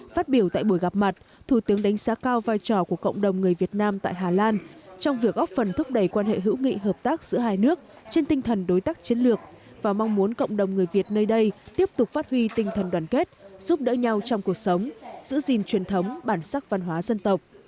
phát biểu tại buổi gặp mặt thủ tướng đánh giá cao vai trò của cộng đồng người việt nam tại hà lan trong việc góp phần thúc đẩy quan hệ hữu nghị hợp tác giữa hai nước trên tinh thần đối tác chiến lược và mong muốn cộng đồng người việt nơi đây tiếp tục phát huy tinh thần đoàn kết giúp đỡ nhau trong cuộc sống giữ gìn truyền thống bản sắc văn hóa dân tộc